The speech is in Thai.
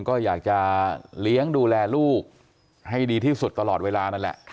ก็อยากจะเลี้ยงดูแลลูกให้ดีที่สุดตลอดเวลานั่นแหละ